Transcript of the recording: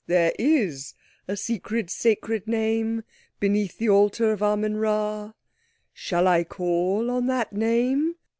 "There is a secret, sacred name beneath the altar of Amen Rā. Shall I call on that name?"